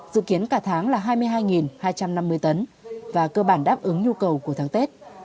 dự kiến cả tháng là hai mươi hai hai trăm năm mươi tấn và cơ bản đáp ứng nhu cầu của tháng tết